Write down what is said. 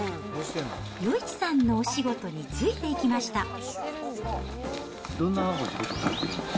余一さんのお仕事についていきました。